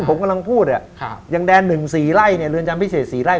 ที่ผมกำลังพูดอ่ะค่ะยังแดนหนึ่ง๔ไร่รวญจำพิเศษ๔ไร่